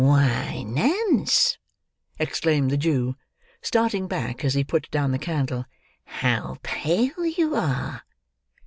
"Why, Nance!" exclaimed the Jew, starting back as he put down the candle, "how pale you are!"